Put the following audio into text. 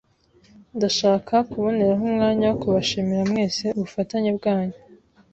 Ndashaka kuboneraho umwanya wo kubashimira mwese ubufatanye bwanyu